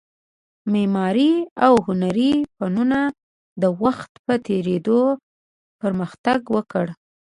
معماري او هنري فنونو د وخت په تېرېدو پرمختګ وکړ